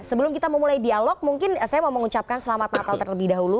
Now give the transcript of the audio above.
sebelum kita memulai dialog mungkin saya mau mengucapkan selamat natal terlebih dahulu